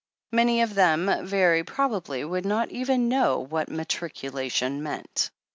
Many of them, very probably, would not even know what Matriculation meant.